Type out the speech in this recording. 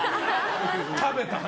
食べた話。